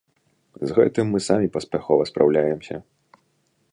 З гэтым мы самі паспяхова спраўляемся.